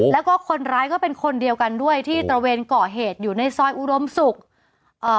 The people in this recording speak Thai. แล้วก็คนร้ายก็เป็นคนเดียวกันด้วยที่ตระเวนก่อเหตุอยู่ในซอยอุดมศุกร์เอ่อ